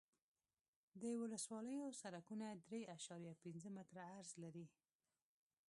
د ولسوالیو سرکونه درې اعشاریه پنځه متره عرض لري